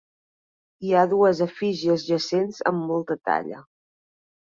Hi ha dues efígies jacents amb molta talla.